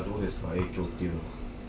影響っていうのは？